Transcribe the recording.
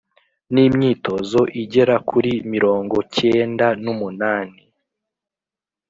n’imyitozo igera kuri mirongo kenda n’umunani